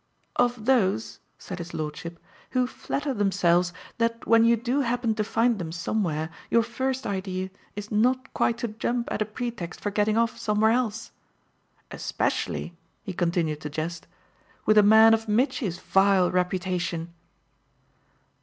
"Of those," said his lordship, "who flatter themselves that when you do happen to find them somewhere your first idea is not quite to jump at a pretext for getting off somewhere else. Especially," he continued to jest, "with a man of Mitchy's vile reputation."